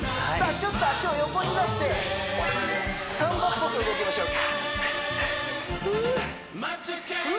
ちょっと足を横に出してサンバっぽく動きましょうかふう！